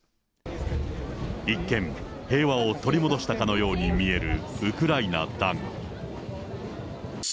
一見、平和を取り戻したかのように見えるウクライナだが。